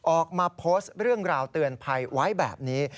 ออกมาโพสต์เรื่องราวเตือนภัยไว้แบบนี้